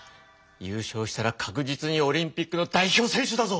ゆうしょうしたら確実にオリンピックの代表選手だぞ！